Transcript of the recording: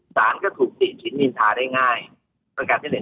ศาลก็ถูกติดชิ้นมินทราได้ง่ายประกาศที่๑